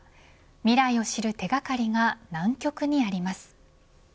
ミライを知る手掛かりが南極にあります。